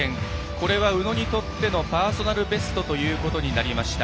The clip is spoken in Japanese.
これは宇野にとってのパーソナルベストということになりました。